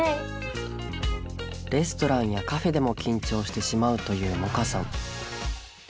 レストランやカフェでも緊張してしまうという百花さん。